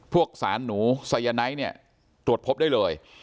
พวกสารหนูไซยาไนท์เนี่ยตรวจพบได้เลย